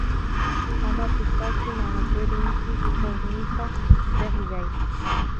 ama pitaychu manape rinki qosnita sekyay